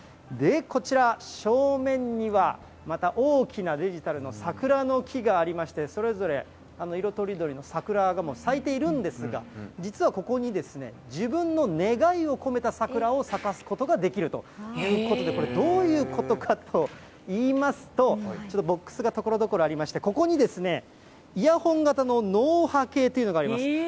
で、こちら、正面にはまた大きなデジタルの桜の木がありまして、それぞれ色とりどりの桜がもう咲いているんですが、実はここに、自分の願いを込めた桜を咲かすことができるということで、これ、どういうことかといいますと、ちょっとボックスがところどころありまして、ここにイヤホン型の脳波計というのがあります。